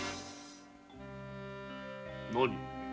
何？